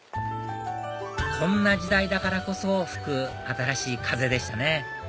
こんな時代だからこそ吹く新しい風でしたね